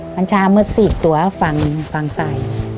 มันชาเมื่อสี่ตัวฝั่งใส่